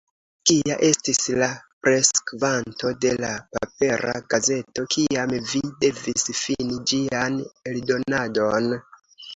Kia estis la preskvanto de la papera gazeto, kiam vi devis fini ĝian eldonadon?